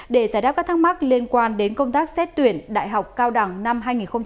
để giải đáp các thắc mắc liên quan đến công tác xét tuyển đại học cao đẳng năm hai nghìn hai mươi